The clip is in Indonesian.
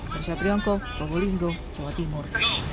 persia priyongko proho lindo jawa timur